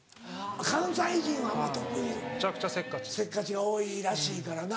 関西人はまぁ特にせっかちが多いらしいからな。